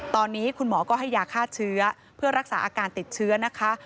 ตอนนี้คุณหมอก็ให้ยาฆ่าเชื้อเพื่อรักษาอาการติดเชื้อนะคะ